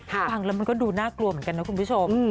ฟังแล้วมันก็ดูน่ากลัวเหมือนกันนะคุณผู้ชม